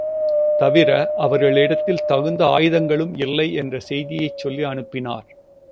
தவிர, அவர்களிடத்தில் தகுந்த ஆயுதங்களும் இல்லை என்ற செய்தியைச் சொல்லி அனுப்பினார்.